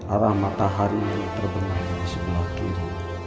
arah matahari yang terbenam di sebelah kiri